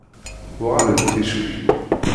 Uɣal-d ticki.